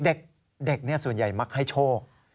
เด็กส่วนใหญ่มักให้โชค